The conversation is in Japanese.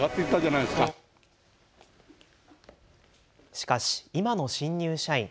しかし今の新入社員。